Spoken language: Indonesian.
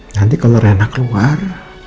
nanti kalau rena keluar